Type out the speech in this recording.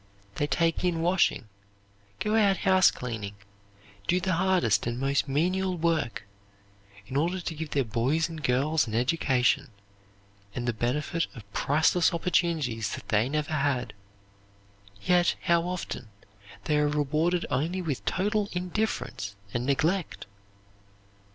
They take in washing, go out house cleaning, do the hardest and most menial work, in order to give their boys and girls an education and the benefit of priceless opportunities that they never had; yet, how often, they are rewarded only with total indifference and neglect!